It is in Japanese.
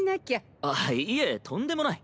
あっいえとんでもない。